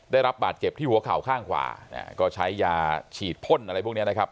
ได้รับบาดเจ็บที่หัวเข่าข้างขวาก็ใช้ยาฉีดพ่นอะไรพวกนี้นะครับ